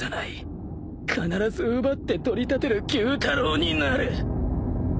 必ず奪って取り立てる妓夫太郎になる